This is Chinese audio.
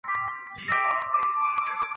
生于明天启三年。